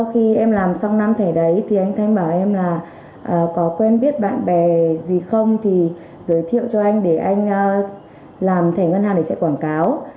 khi em làm xong năm thẻ đấy thì anh thanh bảo em là có quen biết bạn bè gì không thì giới thiệu cho anh để anh làm thẻ ngân hàng để chạy quảng cáo